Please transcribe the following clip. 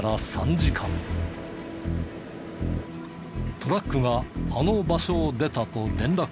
トラックがあの場所を出たと連絡が入る。